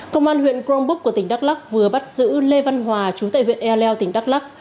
công an huyện cronbuk của tỉnh đắk lắc vừa bắt giữ lê văn hòa chú tại huyện ea leo tỉnh đắk lắc